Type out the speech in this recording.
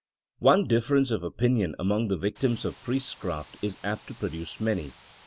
One difference of opinion among the victims of priestcraft is apt to produce many.